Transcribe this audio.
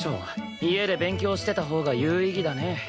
家で勉強してたほうが有意義だね。